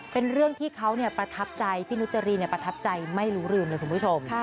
เป็นเรื่องที่เขาประทับใจพี่นุจรีประทับใจไม่รู้ลืมเลยคุณผู้ชม